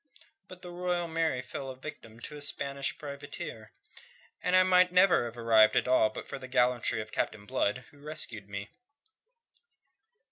"But the Royal Mary fell a victim to a Spanish privateer, and I might never have arrived at all but for the gallantry of Captain Blood, who rescued me."